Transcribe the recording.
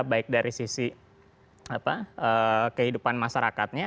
baik dari sisi kehidupan masyarakatnya